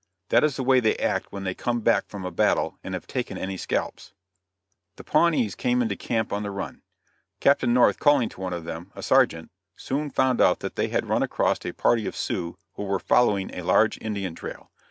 That is the way they act when they come back from a battle and have taken any scalps." The Pawnees came into camp on the run. Captain North calling to one of them a sergeant soon found out that they had run across a party of Sioux who were following a large Indian trail.